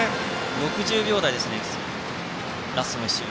６０秒台ですねラストの１周。